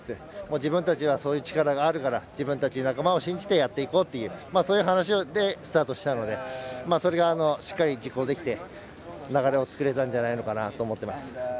自分たちはそういう力があるから自分たち仲間を信じようとそういう話でスタートしたのでそれがしっかり実行できて流れを作れたんじゃないかなと思ってます。